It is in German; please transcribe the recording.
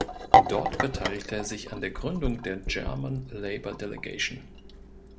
Dort beteiligte er sich an der Gründung der German Labour Delegation.